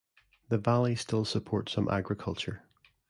The valleys still support some agriculture.